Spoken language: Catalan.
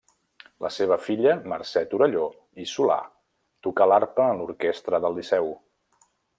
La seva filla Mercè Torelló i Solà tocà l'arpa en l'orquestra del Liceu.